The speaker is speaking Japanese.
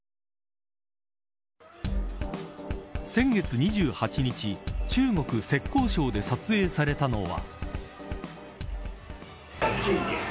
先月２８日中国・浙江省で撮影されたのは。